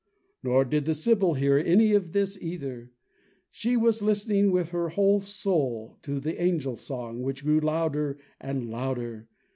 Nor did the sibyl hear any of this either. She was listening with her whole soul to the angel song, which grew louder and louder.